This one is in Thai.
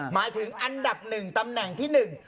หมายถึงอันดับหนึ่งตำแหน่งที่หนึ่ง